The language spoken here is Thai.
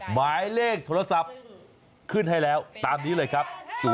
หมายเลขโทรศัพท์ขึ้นให้แล้วตามนี้เลยครับ